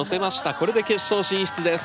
これで決勝進出です。